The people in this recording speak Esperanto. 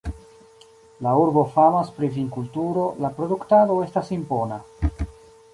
La urbo famas pri vinkulturo, la produktado estas impona.